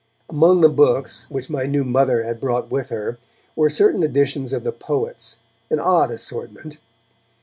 Among the books which my new mother had brought with her were certain editions of the poets, an odd assortment.